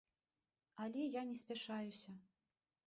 Але я не спяшаюся.